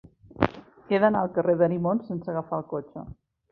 He d'anar al carrer d'Arimon sense agafar el cotxe.